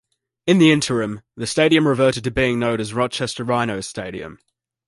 In the interim, the stadium reverted to being known as Rochester Rhinos Stadium.